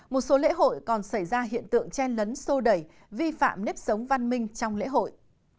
một số lễ hội còn xảy ra hiện tượng chen lấn sô đẩy vi phạm nếp sống văn minh trong lễ hội